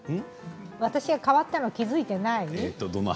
私が変わったの気付いてない？